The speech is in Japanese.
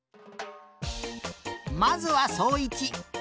まずはそういち。